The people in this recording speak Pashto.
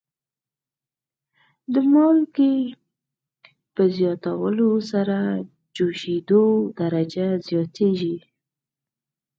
د مالګې په زیاتولو سره د جوشیدو درجه زیاتیږي.